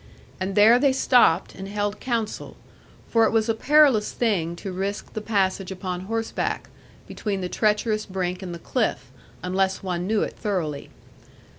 And there they stopped, and held council; for it was a perilous thing to risk the passage upon horseback, between the treacherous brink and the cliff, unless one knew it thoroughly.